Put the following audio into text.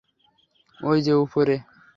ঐ যে উপরে।